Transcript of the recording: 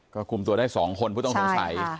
ก็กลุ่มตัวได้๒คนเพื่อต้องสงสัย